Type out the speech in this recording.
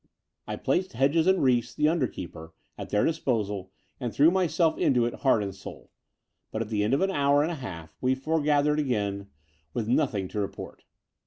I placed Hedges and Reece, the tinderkeeper, at their disposal, and threw myself into it heart and soul ; but at the end of ah hour and a half we for gathered again with nothing to report.